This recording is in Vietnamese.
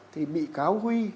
thì bị cáo huy